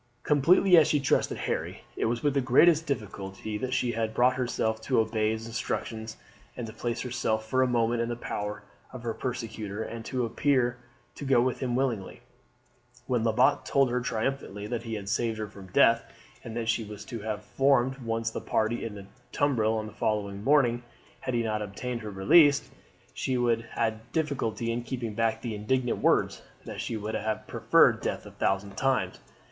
Completely as she trusted Harry, it was with the greatest difficulty that she had brought herself to obey his instructions and to place herself for a moment in the power of her persecutor, and appear to go with him willingly. When Lebat told her triumphantly that he had saved her from death, and that she was to have formed one of the party in the tumbril on the following morning had he not obtained her release, she had difficulty in keeping back the indignant words, that she would have preferred death a thousand times.